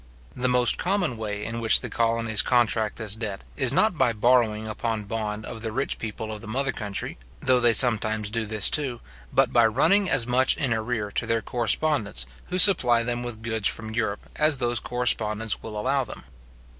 The most common way in which the colonies contract this debt, is not by borrowing upon bond of the rich people of the mother country, though they sometimes do this too, but by running as much in arrear to their correspondents, who supply them with goods from Europe, as those correspondents will allow them.